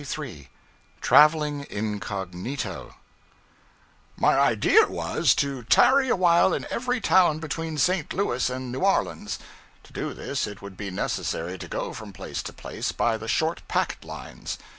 CHAPTER 23 Traveling Incognito MY idea was, to tarry a while in every town between St. Louis and New Orleans. To do this, it would be necessary to go from place to place by the short packet lines.